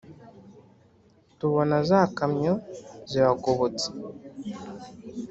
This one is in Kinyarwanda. Tubona za kamyo ziragobotse.